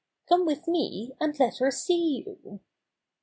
Come with me, and let her see you."